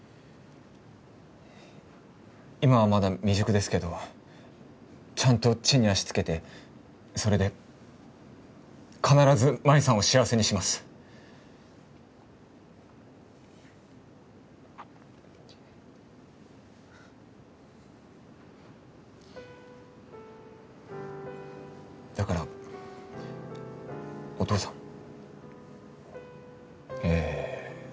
今はまだ未熟ですけどちゃんと地に足つけてそれで必ず麻衣さんを幸せにしますだからお父さんえ